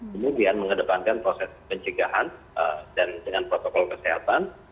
kemudian mengedepankan proses pencegahan dan dengan protokol kesehatan